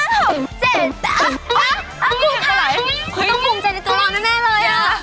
ผมต้องภูมิใจในตัวรอแน่เลยอ่ะ